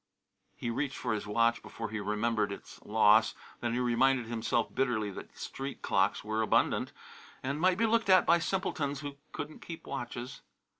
He reached for his watch before he remembered its loss. Then he reminded himself bitterly that street clocks were abundant and might be looked at by simpletons who couldn't keep watches.